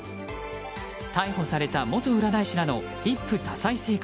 逮捕された元占い師らの一夫多妻生活。